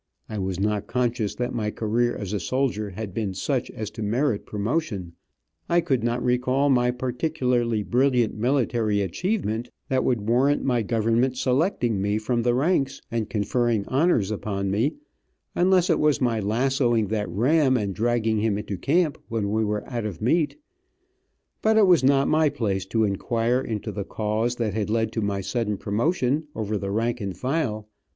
I was not conscious that my career as a soldier had been such as to merit promotion, I could not recall my particularly brilliant military achievement that would warrant my government selecting me from the ranks and conferring honors upon me, unless it was my lasooing that ram and dragging him into camp, when we were out of meat. But it was not my place to inquire into the cause that had led to my sudden promotion over the rank and file.